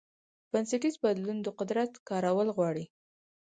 بنسټیز بدلون د قدرت کارول غواړي.